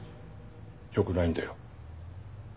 よくないんだよ。